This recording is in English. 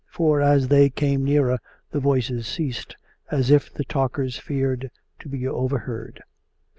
For, as they came nearer the voices ceased, as if the talkers feared to be overheard.